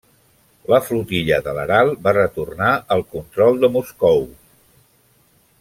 La flotilla de l'Aral va retornar al control de Moscou.